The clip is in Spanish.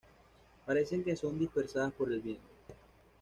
Parecen que son dispersadas por el viento.